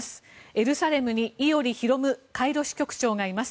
エルサレムに伊従啓カイロ支局長がいます。